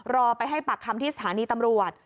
รอไปให้ปากคำที่สถานีตำรวจ